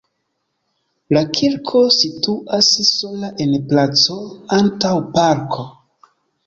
La kirko situas sola en placo antaŭ parko.